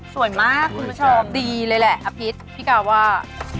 สวยมากคุณผู้ชมดีเลยแหละอภิษพี่กาว่า